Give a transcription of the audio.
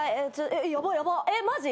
えっマジ？